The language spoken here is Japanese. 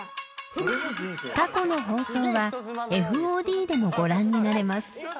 ［過去の放送はＦＯＤでもご覧になれます］